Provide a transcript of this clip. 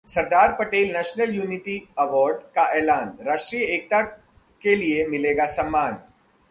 सरदार Patel national unity award का ऐलान, राष्ट्रीय एकता के लिए मिलेगा सम्मान